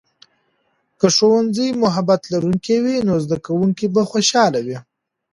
که ښوونځی محبت لرونکی وي، نو زده کوونکي به خوشاله وي.